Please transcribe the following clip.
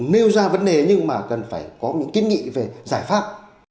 nêu ra vấn đề nhưng mà cần phải có những kiến nghị về giải pháp